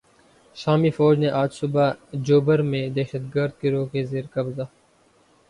شامی فوج نے آج صبح "جوبر" میں دہشتگرد گروہ کے زیر قبضہ